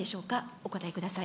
お答えください。